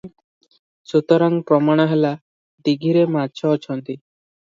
ସୁତରାଂ ପ୍ରମାଣ ହେଲା, ଦୀଘିରେ ମାଛ ଅଛନ୍ତି ।